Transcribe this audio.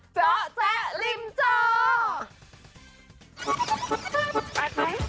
เจ้าแจ๊ะริมเจ้า